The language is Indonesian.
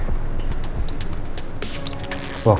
itu tanpa cinta